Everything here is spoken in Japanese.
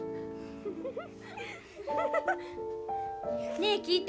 ねえ聞いて。